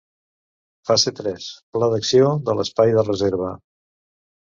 Fase tres: pla d'acció de l'espai de reserva.